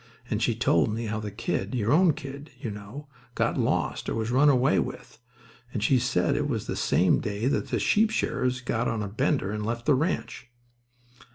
And she told me how the kid—your own kid, you know—got lost or was run away with. And she said it was the same day that the sheep shearers got on a bender and left the ranch."